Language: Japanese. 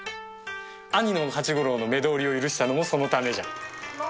兄の八五郎の目通りを許したのもそのためじゃ。